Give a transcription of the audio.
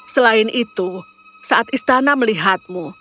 selain itu saat istana melihatmu